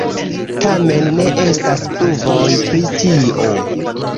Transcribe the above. Tamen ne estas pruvoj pri tio.